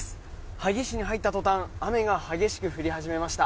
萩市に入った途端雨が激しく降り始めました。